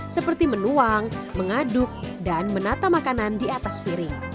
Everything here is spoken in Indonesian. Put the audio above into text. seperti menuang mengaduk dan menata makanan di atas piring